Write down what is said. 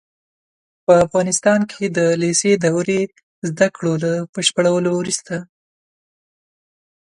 په افغانستان کې د لېسې دورې زده کړو له بشپړولو وروسته